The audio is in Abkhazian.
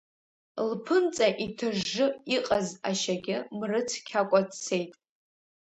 Лԥынҵа иҭыжжы иҟаз ашьагьы мрыцқьакәа дцеит…